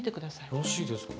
よろしいですか。